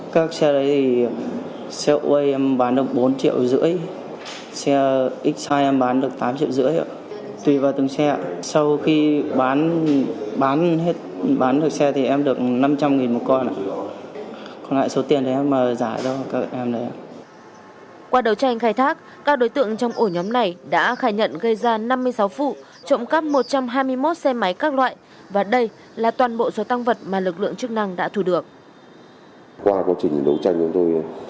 các xe đấy thì xe ô quay em bán được bốn triệu rưỡi xe x size em bán được tám triệu rưỡi